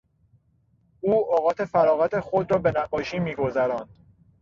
او اوقات فراغت خود را به نقاشی میگذراند.